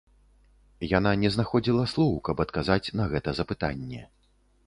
Яна не знаходзіла слоў, каб адказаць на гэта запытанне.